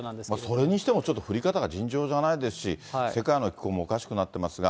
それにしてもちょっと、降り方が尋常じゃないですし、世界の気候もおかしくなってますが。